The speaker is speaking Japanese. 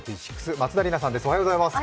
松田里奈さんです。